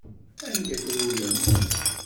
Anda i trewlemt?